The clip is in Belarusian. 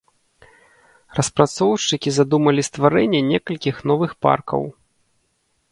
Распрацоўшчыкі задумалі стварэнне некалькіх новых паркаў.